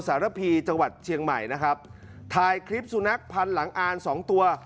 สารพีจังหวัดเชียงใหม่นะครับถ่ายคลิปสุนัขพันหลังอ่านสองตัว